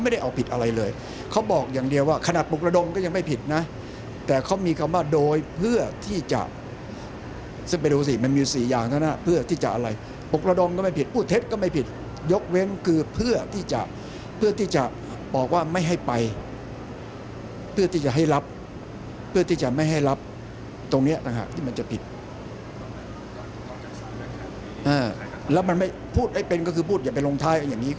ไม่รู้ว่าทำอะไรเห็นจากข่าวนะแต่ไม่รู้ว่าทำอะไรเห็นจากข่าวนะแต่ไม่รู้ว่าทำอะไรเห็นจากข่าวนะแต่ไม่รู้ว่าทำอะไรเห็นจากข่าวนะแต่ไม่รู้ว่าทำอะไรเห็นจากข่าวนะแต่ไม่รู้ว่าทำอะไรเห็นจากข่าวนะแต่ไม่รู้ว่าทำอะไรเห็นจากข่าวนะแต่ไม่รู้ว่าทำอะไรเห็นจากข่าวนะแต่ไม่รู้ว่าทำอะไรเห็นจากข่าวนะแต่ไม่รู้ว่าทำอะไรเห็นจากข่าวนะแต่ไม่รู้ว่าทำอะไรเห็